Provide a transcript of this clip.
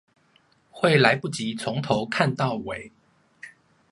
會來不急從頭看到尾